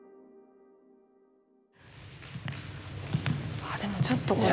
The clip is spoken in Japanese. ああでもちょっとこれ。